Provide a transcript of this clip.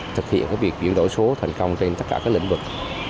thực hiện việc chuyển đổi số thành công trên tất cả các lĩnh vực